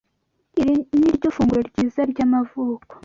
Iri niryo funguro ryiza ryamavuko.